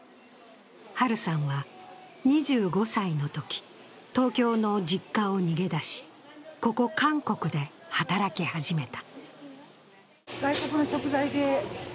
ハルさんは、２５歳のとき東京の実家を逃げ出し、ここ、韓国で働き始めた。